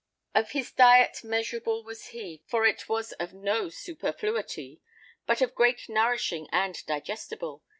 Of his diete mesurable was he, For it was of no superfluitee, But of gret nourishing and digestible.